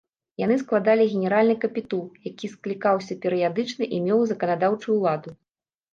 Яны складалі генеральны капітул, які склікаўся перыядычна і меў заканадаўчую ўладу.